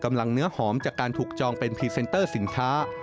มันยังเป็นพรีเซนเตอร์สินค้า